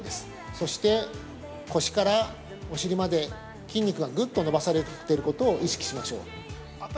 そして、腰からお尻まで筋肉がぐっと伸ばされてることを意識しましょう。